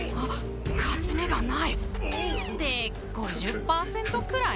勝ち目がないって５０％くらい？